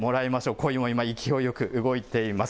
コイも今勢いよく動いています。